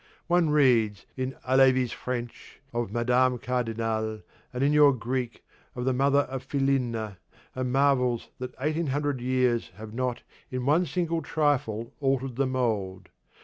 One reads, in Halévy's French, of Madame Cardinal, and, in your Greek, of the mother of Philinna, and marvels that eighteen hundred years have not in one single trifle altered the mould.